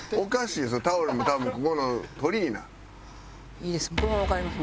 いいです。